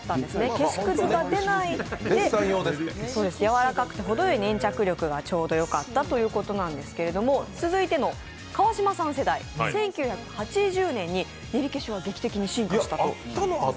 消しくずが出ないので、柔らかくてほどよい粘着力がちょうどよかったんですが続いての川島さん世代、１９８０年にねりけしは劇的に進化したと。